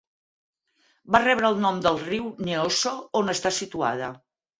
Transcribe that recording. Va rebre el nom del riu Neosho, on està situada.